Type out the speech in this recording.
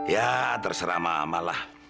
ya terserah mama lah